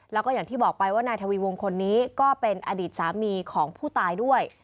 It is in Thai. แล้วก็อย่างที่บอกไปว่านายทวีวงคนนี้ก็เป็นอดีตสามีของผู้ตายด้วย